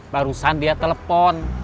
barusan dia telepon